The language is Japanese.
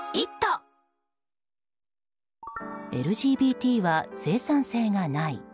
ＬＧＢＴは生産性がない。